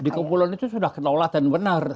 di kepulauan itu sudah kenolakan benar